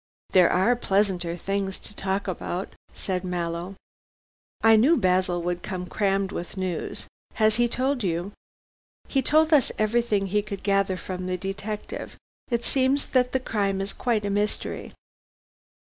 "There are pleasanter things to talk about," said Mallow. "I knew Basil would come crammed with news. Has he told you " "He told us everything he could gather from the detective. It seems that the crime is quite a mystery."